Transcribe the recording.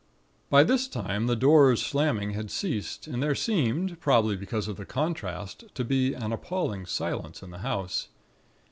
"By this time, the door slamming had ceased, and there seemed, probably because of the contrast, to be an appalling silence in the house.